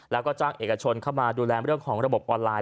แล้วก็จ้างเอกชนเข้ามาดูแลเรื่องของระบบออนไลน